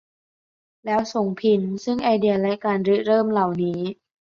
แล้วส่งพิน ซึ่งไอเดียและการริเริ่มเหล่านี้